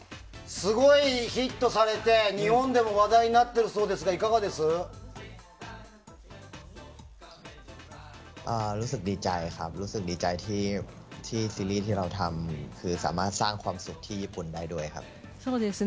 すごいヒットされて、日本でも話題になっているそうですがいかがですか。